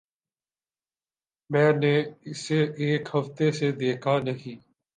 میں نے اسے ایک ہفتے سے دیکھا نہیں۔